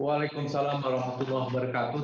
waalaikumsalam warahmatullahi wabarakatuh